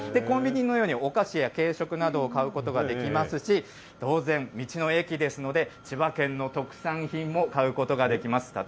コンビニのように、お菓子や軽食などを買うことができますし、当然、道の駅ですので、千葉県の特産品も買うことができます。